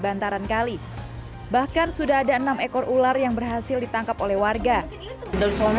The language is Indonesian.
bantaran kali bahkan sudah ada enam ekor ular yang berhasil ditangkap oleh warga darsono